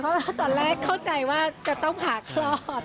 เพราะว่าตอนแรกเข้าใจว่าจะต้องผ่าคลอด